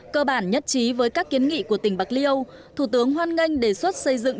cơ bản nhất trí với các kiến nghị của tỉnh bạc liêu thủ tướng hoan nghênh đề xuất xây dựng